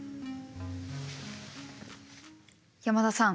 山田さん。